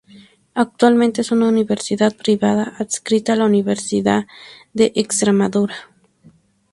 Actualmente es una universidad privada, adscrita a la Universidad de Extremadura.